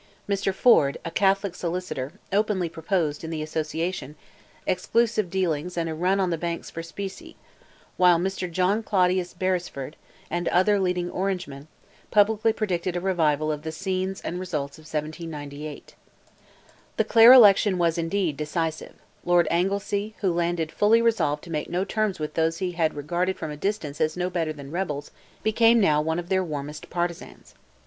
Mr. Ford, a Catholic solicitor, openly proposed, in the Association, exclusive dealing and a run on the banks for specie, while Mr. John Claudius Beresford, and other leading Orangemen, publicly predicted a revival of the scenes and results of 1798. The Clare election was, indeed, decisive; Lord Anglesea, who landed fully resolved to make no terms with those he had regarded from a distance as no better than rebels, became now one of their warmest partisans.